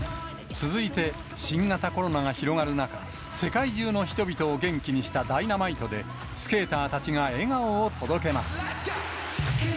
続いて、新型コロナが広がる中、世界中の人々を元気にしたＤｙｎａｍｉｔｅで、スケーターたちが笑顔を届けます。